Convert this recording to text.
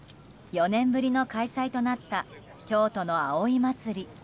４年ぶりの開催となった京都の葵祭。